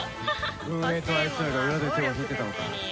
運営とあいつらが裏で手を引いてたのか。